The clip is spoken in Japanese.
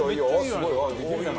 すごいよ。